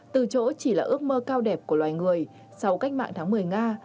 từ chỗ chỉ là ước mơ cao đẹp của loài người sau cách mạng tháng một mươi nga